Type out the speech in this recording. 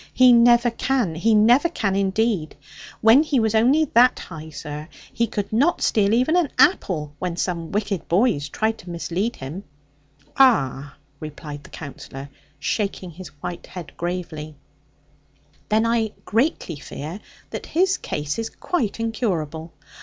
he never can: he never can indeed. When he was only that high, sir, he could not steal even an apple, when some wicked boys tried to mislead him.' 'Ah,' replied the Counsellor, shaking his white head gravely; 'then I greatly fear that his case is quite incurable.